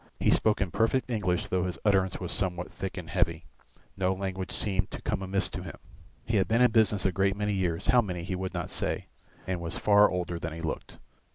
He spoke in perfect English though his utterance was somewhat thick and heavy; no language seemed to come amiss to him. He had been in business a great many years, how many he would not say, and was far older than he looked.